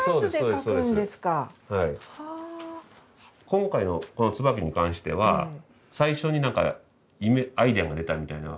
今回のこのツバキに関しては最初に何かアイデアが出たみたいな。